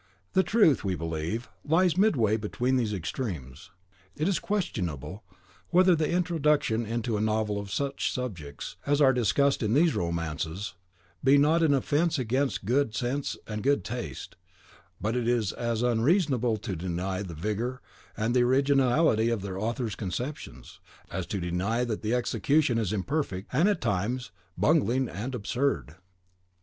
The truth, we believe, lies midway between these extremes. It is questionable whether the introduction into a novel of such subjects as are discussed in these romances be not an offence against good sense and good taste; but it is as unreasonable to deny the vigour and originality of their author's conceptions, as to deny that the execution is imperfect, and, at times, bungling and absurd.